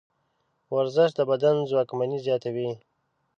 ورزش د بدن ځواکمني زیاتوي.